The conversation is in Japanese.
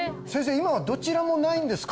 今はどちらもないんですか？